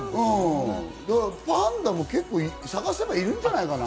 パンダも探せばいるんじゃないかな？